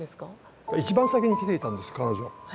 一番先に来ていたんです彼女。